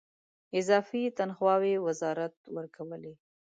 اضافي تنخواوې وزارت ورکولې.